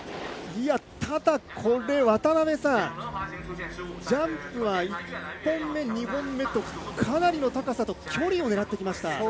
ただ、渡辺さんジャンプは１本目、２本目とかなりの高さと距離を狙ってきました。